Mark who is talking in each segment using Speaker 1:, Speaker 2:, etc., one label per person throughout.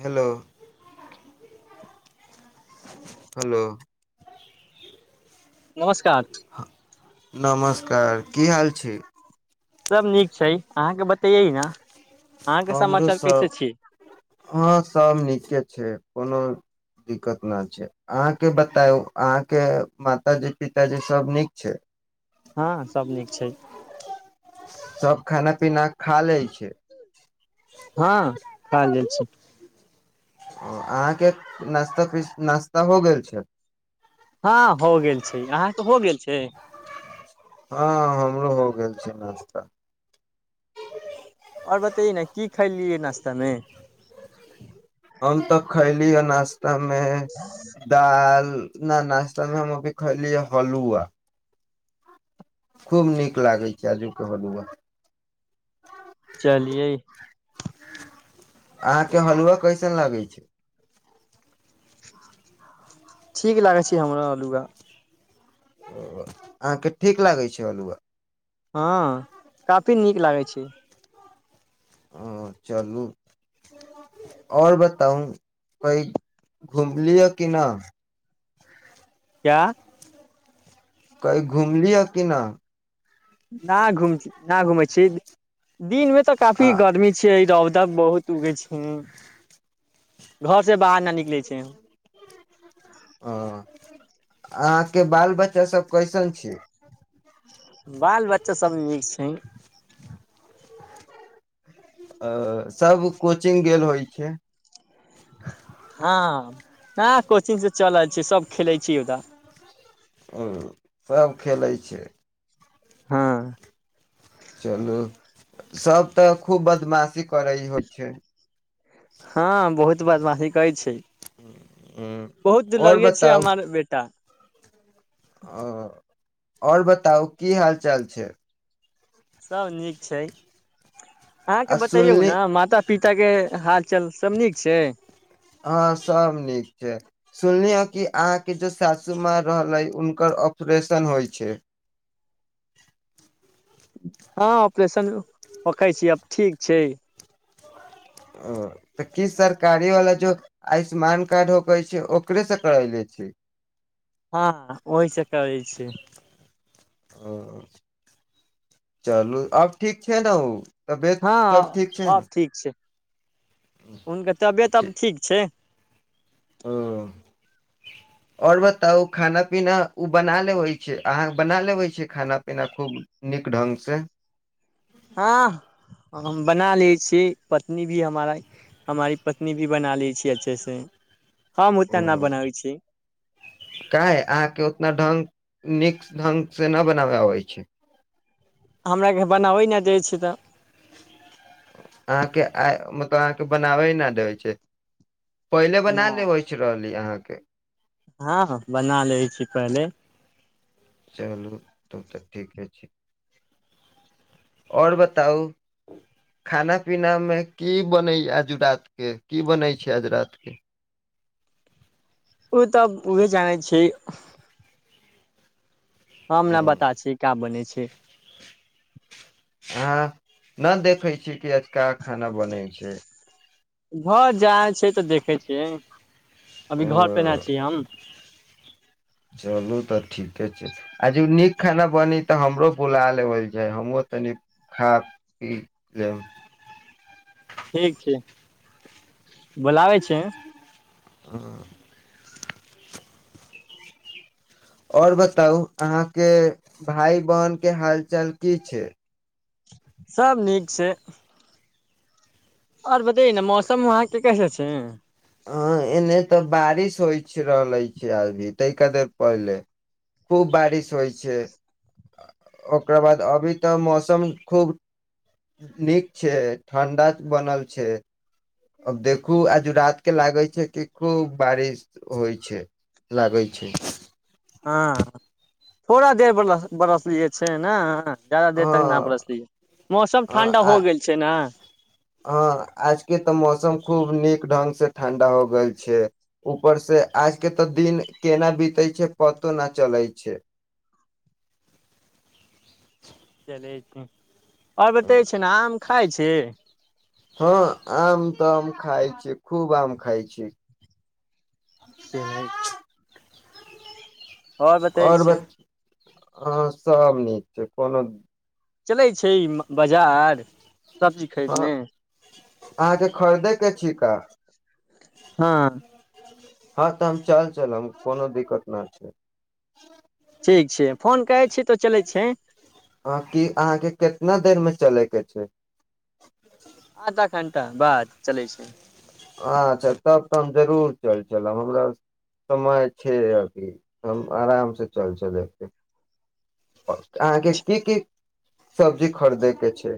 Speaker 1: Hello hello
Speaker 2: नमस्क
Speaker 1: ह नमस का की हाल छी
Speaker 2: सभ नीक छै अहाँके बतैयै ने अहाँके
Speaker 1: हमरो
Speaker 2: समाचार कैसे
Speaker 1: सब
Speaker 2: छी
Speaker 1: हं सब नीके छै कोनो दिक्कत नहि छै अहाँके बतायउ अहाँके माताजी पिताजी सब नीक छै
Speaker 2: हँ सब नीक छै
Speaker 1: सब खाना पीना खा ले छै
Speaker 2: हँ खा लइ छै
Speaker 1: ओ अहाँके नास्ता प नाश्ता हो गेल छै
Speaker 2: हँ हो गेल छै अहाँकेऽ हो गेल छै
Speaker 1: हँ हमरो हो गेल छी नाश्ता
Speaker 2: आओर बताइए न की खाय लियै नाश्तामे
Speaker 1: हम तऽ खैली ह नाश्त तमे दाल न नास्तामे हम अभी खइली हलुआ खूब नीक लागै छै काजू के हलुआ
Speaker 2: चलिये
Speaker 1: अहाँके हलुआ कैइसन लगै छै
Speaker 2: ठीक लागै छै हमरा हलुआ
Speaker 1: ओ अहाँके ठीक लागै छै हलुआ
Speaker 2: हँ काफी नीक लागै छै
Speaker 1: ह चलू आओर बताउ कई घुमलिह कि नहि
Speaker 2: क्या
Speaker 1: कही घुमलिह कि नहि
Speaker 2: न घुम न घुमै छी दिनमे तऽ काफी
Speaker 1: आ
Speaker 2: गर्मी छै रौ त बहुत उगे छै घर से बाहर न निकले छै
Speaker 1: ह अहाँके बाल बच्चा सब कइसन छिय
Speaker 2: बाल बच्चा सब नीक छय
Speaker 1: अ सब कोचिंग गेल होइ छै
Speaker 2: हँ ह कोचिंग से चलल छै सब खेलैय छी ओदा
Speaker 1: हु सभ खेलै छै
Speaker 2: हँ
Speaker 1: चलू सभ तऽ खूब बदमाशी करै होइ छै
Speaker 2: हँ बहुत बदमाशी करैय छय
Speaker 1: [inaudible]
Speaker 2: बहुत
Speaker 1: आओर
Speaker 2: दुलड़िये छय हमर बेटा
Speaker 1: आ आओर बताउ की हाल चाल छय
Speaker 2: सभ नीक छय
Speaker 1: आ
Speaker 2: अहाँके बताइयौ
Speaker 1: सुनली
Speaker 2: ने माता पिता के हालचाल सब नीक छय
Speaker 1: सुनलियैँ कि अहाँके जेो सासू माँ रहलय हुनकर ऑपरेशन होइ छय
Speaker 2: हँ ऑपरेशन रखैय छी आब ठीक छै
Speaker 1: ओ तऽ की सरकारी वाला जो आयुष्मान कार्ड हो करै छै ओकरेसँ करैले छै
Speaker 2: हँ होइ सक करैय छै
Speaker 1: ओ चलू आब ठीक छैय ने ओ तबियत
Speaker 2: हँ
Speaker 1: सब ठीक छै
Speaker 2: आ
Speaker 1: ने
Speaker 2: ठीक छै हुनके तबियत आब ठीक छै
Speaker 1: ह आओर बताउ खाना पीना ओ बना लेबै छै अहाँ बना लेबै छी खाना पीना खूब नीक ढंगसे
Speaker 2: हँ हम बना लै छियै पत्नी भी हमार हमारी पत्नी भी बना लै छिय अच्छे से हम उतना न बनाबै छी
Speaker 1: क ह आहके उतना ढ्ंग नीक ढंग से नहि बनाबय अबै छै
Speaker 2: हमरााकेँ बनाबै नहि दै छै तऽ
Speaker 1: अहाँके आइ मतलब अहाँके बनाबै ह नहि देबै छै पहिले बना
Speaker 2: न।
Speaker 1: लेबइ रहलीै अछि अहाँ [inaudible]
Speaker 2: हँ हॅं बना लै छी पहिले
Speaker 1: चलू तब तऽ ठीके छै आओर बताउ खाना पीना मे की बनै आज रात के की बनै छै आज रात के
Speaker 2: ओ तऽ उह जानै छी हम ने
Speaker 1: हूं,
Speaker 2: बता छियै का बने छै ठीक
Speaker 1: अह न देखे छी की आजुका
Speaker 2: घर जा छै तऽ देख देखै छियै अभी घर पे ना
Speaker 1: ओ
Speaker 2: छी हम
Speaker 1: आ जे नीक खाना बनी तऽ हमरो बुला लेबल छै हमहूँ तनी खा पी लेब
Speaker 2: ठीक छै बोलाबै छै
Speaker 1: हँ आऔर बताउ अहाँके भाय बहिनके हालचाल की छै
Speaker 2: सभ नीक छै आऔर बतइ ने मौसम वहाँके कैसे छै
Speaker 1: हँ एने तऽ बारिश होइ रहलै छै अभी ताहिकेादर पहिले खूब बारिश होइ छै ओकरख बाद अभी तऽ मौसम खूब नीक छै ठण्डा बनल छै अब देखू आज रात के लागै छै कि खूब बारिश होइ छै लागै छै
Speaker 2: हँ थोड़ा देर बलस बरस लियए छै ने
Speaker 1: हँ हँ हँ
Speaker 2: ठण्डा
Speaker 1: आ
Speaker 2: हो गेल छै न
Speaker 1: हाँ आजके तऽ मौसम खूब नीक ढंग से ठण्डा हो गेल छै ऊपर से आज के तऽ दिन केना बीतै छै पतो ना चलै छै
Speaker 2: ठी क और बते छै ने आम खा खाइ छै
Speaker 1: हँ आम तऽ आम खाय छै खूब आम खाय छै
Speaker 2: से है और बतै
Speaker 1: आओर
Speaker 2: छै
Speaker 1: बत हँ सब नीक छै कोनो
Speaker 2: चलै छै ई बाजार सब्जी खरीद
Speaker 1: हँ
Speaker 2: ने
Speaker 1: अहाँके खरीदै के छि काज
Speaker 2: हँ
Speaker 1: हँ तऽ हम चल चलब कोनो दिक्कत नहि छै
Speaker 2: ठीक छै फोन कहै छियै तो चलै छियै
Speaker 1: ह कि अहाँके कितना देरमे चलयके छै
Speaker 2: आधा घण्टा बाद चलै छै
Speaker 1: अच्छा तब तऽ हम जरूर चल चलब हमरा समय छै अथी हम आरामसँ चल चलय अहाँके की की सब्जी खरीदैके छै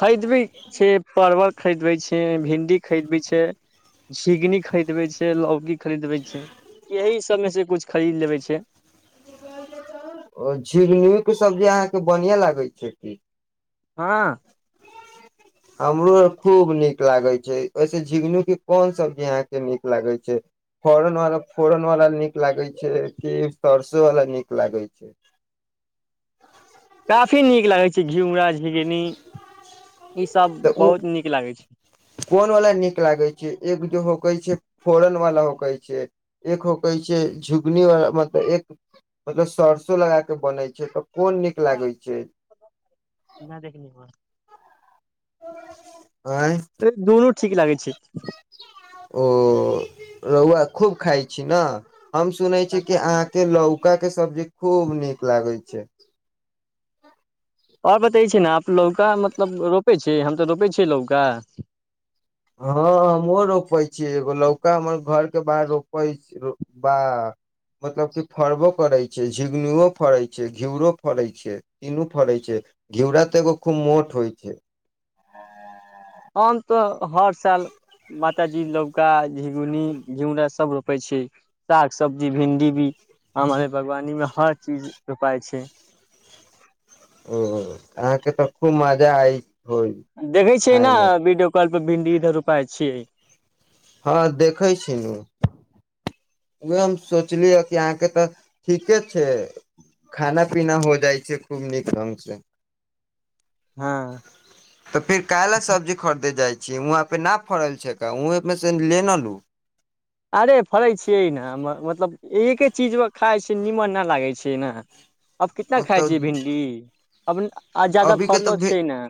Speaker 2: खरीद भी छै परवल खरीदबै छी भिन्डी खरीदबै छै झिंगनी खरीदबै छै लौकी खरीदबै छै यही एहि सबमेसँ कुछ खरीद लेबै छै
Speaker 1: ओ झिंगनके सब्जी अहाँके बढ़िआँ लागै छै की
Speaker 2: हँ
Speaker 1: हमरो आब खूब नीक लागै छै ओहिसँे झिंगनूके कोन सब्जी अहाँके नीक लागै छै फोरनवला फोरनवला नीक लागै छै कि सरसोवला नीक लागै छै
Speaker 2: काफी नीक लागै छै झिमरा
Speaker 1: तऽ ओ
Speaker 2: बहुत नीक लागै छै
Speaker 1: कोन वला नीक लागै छै एक ज हो कह छै फोरन वाला होकै छै एक होकै छै झुगनी व मतलब एक मतलब सरसो लगा के बने छै कोन नीक लागै छै
Speaker 2: नहि देखने प
Speaker 1: ओ
Speaker 2: दुनू ठीक लागै छै
Speaker 1: रऊआ खूब खाइ छी न हम सुनइ छि कि अहां के लौका के सब्जी खूब नीक लागे छै
Speaker 2: ओर बतै छी ने आप लौका मतलब रोपै छियै हम तऽ रोपै छि लौका
Speaker 1: हँ हमहूँ रोपै छियै एगो लौका हमर घरके बाहर रोपइ छी बा मतलब कि फड़बो करै छै झिंगुनुओ फड़ै छै घिउरो फड़ै छै तीनू फड़ैत छै घिउरा तऽ एगो खूब मोट होइ छै
Speaker 2: आम तऽ हर साल मातााजी लौका झिगुनी घिउरा सभ रोपाै छि साग सबजी भिंडी भी हामरे बागवानीमे हर चीज रोपाइ छै
Speaker 1: ओ अहाँके तऽ खूब मजा अइ
Speaker 2: देखै छियै न वीडियो कॉल भिन्डी इधर रोपााय छियै
Speaker 1: हँ देखै छीन उह हम सोचलिय कि अहाँके तऽ ठीके छै खाना पीना हो जाइ छै खूब नीक ढंगग से
Speaker 2: हँ
Speaker 1: त फिर काएला सब्जी खरीदे जाइ छी वहाँंपे न फड़ल छ्क हुए में से लेने लू
Speaker 2: अरे फड़ै छियै ने हम हम मतलब एके चीजव खाइ छिय निमन नहि लागै छै न आप कितना खााय
Speaker 1: तऽ
Speaker 2: छिय भिंडी अब आ जादा
Speaker 1: अभी के
Speaker 2: फड़लो
Speaker 1: त
Speaker 2: छै ने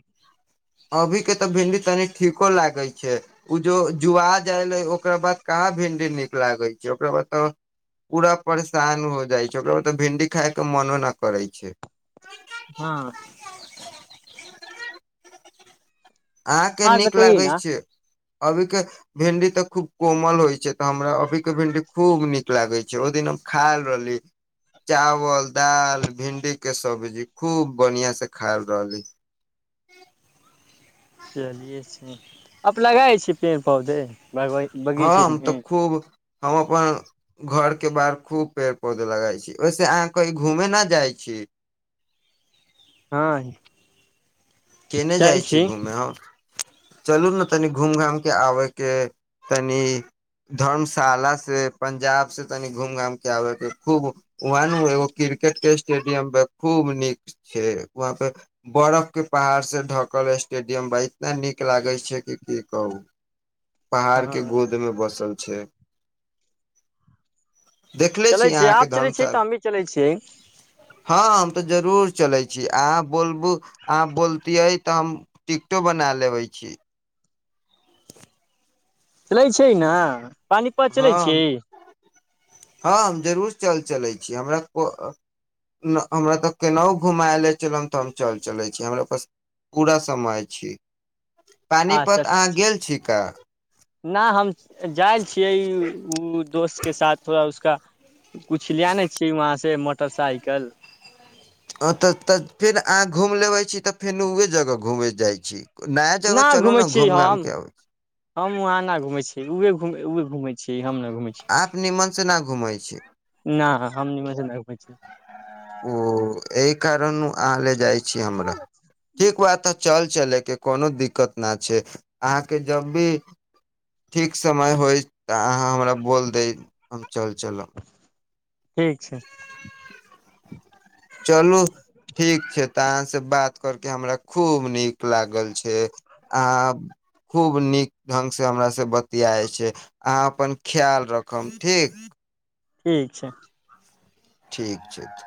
Speaker 1: अभी के त भिडी तनि ठीको लागइ जो जुआ जाइलै ओकरा बाद कहाँ भिंडी नीक लागै छै ओकरा बाद त पूरा परेशान हो जाइ छै ओकरा बाद त भिंडी खायके मनो नहि करै छै
Speaker 2: हँ
Speaker 1: अहाँके
Speaker 2: आर
Speaker 1: नीक
Speaker 2: बतैयै
Speaker 1: लागैइ
Speaker 2: न
Speaker 1: छै अभीके भिंडी तऽ खूब कोमल होइ छै तऽ हमरा अभीके भिंडी त खूब कोमल होइ छक हमरा अभी के भिंडी खुब निक लागै छै ओहि दिन हम खायल रहली चावल दाल भिंडीके सब्जी खूब बढ़िआँसे खायल रहली
Speaker 2: चलिये छै आब लगाए छै पेड़ पौधे
Speaker 1: हँ
Speaker 2: बगीचे
Speaker 1: हम त
Speaker 2: मे
Speaker 1: खूब हम अपन घरके बाहर खूब पेड़ पौधे लगाइ छी ओहिसे अहाँ कही घूमेय न जाइ छी
Speaker 2: हँ
Speaker 1: केने जाइ छी घूमय हम चलू ने तनि घूम घाम के आबे के तनि धर्मशाला से पंजाब से तनि घूम घाम के आबे के खूब वह नु एगो क्रिकेट के स्टेडियम खूब नीक छै वहाँ पे बर्फ के पहाड़ से ढकल स्टेडियम ब इतना नीक लागैत छै कि की कहू पहाड़ के
Speaker 2: हँ
Speaker 1: गोद में बसल छै ह
Speaker 2: चलै छियै आब चलै छियै त ह भी चलै छियै
Speaker 1: त जरूर चलै छी अहाँ बोलबू अहाँ बोलति यइ त हम टिकटो बना लेबै छी
Speaker 2: चलै छै न पानिपत चलै छी
Speaker 1: हँ हँ हम जरूर चल चलै छी हमरा हमरा तऽ केनाहु घुमाएले चलम त हम चल चलै छी हमरा बस पूरा समय छै पानीपत अहाँ गेल छी क
Speaker 2: नह हम जाइ छियै ई उ दोस्त के साथ थोड़ा उसका कुछ ले ने छिय वहाँ से मोटरसाइकल
Speaker 1: आ तऽ तऽ फेर अहाँ घूमि लेबै छी तऽ फेर उह जगह घूमे जाइत छी नया जगह
Speaker 2: न
Speaker 1: चलू
Speaker 2: घूमे
Speaker 1: ने
Speaker 2: छियै
Speaker 1: घूम घाम
Speaker 2: हम
Speaker 1: के आबै छी
Speaker 2: हम वहाँ न घूमे छी उ घुमेै छी
Speaker 1: आप निमन से न घुमय छै
Speaker 2: छियै न हम निमन सँ घुमय
Speaker 1: ओ एहि कारण अहा लजाइ की हमरा ठीक तु चल चले के कोनो दिक्कत न छै अहाँके जब भी ठीक समय होइ तऽ अहाँ हमरा बोल दै हम चल चलब
Speaker 2: ठीक छै
Speaker 1: चलू ठीक छै त अहा से बात कर के हमरा खूब नीक लागल छै से आ खूब नीक ढंगसँ हमरा से बतियाइ छै अहाँ अपन ख्याल रखब ठीक
Speaker 2: ठीक छै
Speaker 1: ठीक छै तऽ